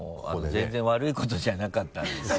全然悪いことじゃなかったんですけど。